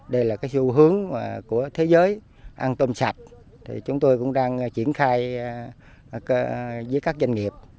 đây là cái xu hướng của thế giới ăn tôm sạch thì chúng tôi cũng đang triển khai với các doanh nghiệp